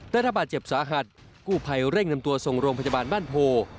ระบาดเจ็บสาหัสกู้ภัยเร่งนำตัวส่งโรงพยาบาลบ้านโพ